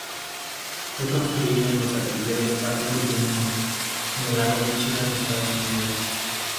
Fue construido en los astilleros Palmer y Johnson, en el lago Míchigan, Estados Unidos.